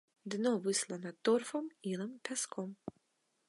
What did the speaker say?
Дно выслана торфам, ілам, пяском.